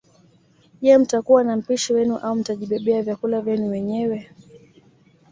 Je mtakuwa na mpishi wenu au mtajibebea vyakula vyenu wenyewe